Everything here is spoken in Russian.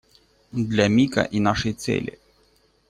Для Мика и нашей цели.